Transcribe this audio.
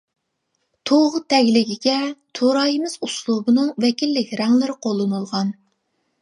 تۇغ تەگلىكىگە تۇرايىمىز ئۇسلۇبىنىڭ ۋەكىللىك رەڭلىرى قوللىنىلغان.